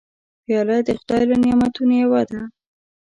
پیاله د خدای له نعمتونو یوه ده.